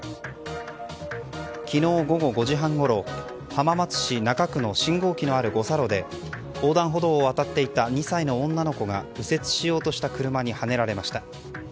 昨日午後５時半ごろ浜松市中区の信号機のある五差路で横断歩道を渡っていた２歳の女の子が右折しようとした車にはねられました。